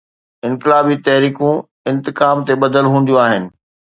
انقلابي تحريڪون انتقام تي ٻڌل هونديون آهن.